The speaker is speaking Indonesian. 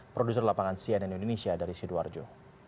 produser lapangan cnn indonesia dari sidoarjo